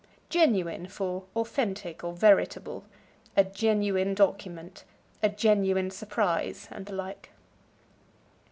Genuine for Authentic, or Veritable. "A genuine document," "a genuine surprise," and the like.